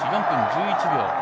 ４分１１秒。